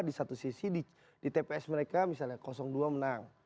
di satu sisi di tps mereka misalnya dua menang